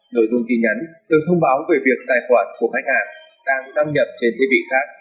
nội dung tin nhắn từ thông báo về việc tài khoản của khách hàng đang đăng nhập trên thiết bị khác